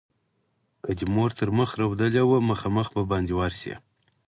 که دې مور تر مخ رودلې وه؛ مخامخ به باندې ورشې.